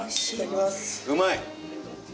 うまい！